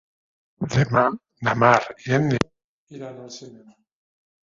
Demà na Mar i en Nil iran al cinema.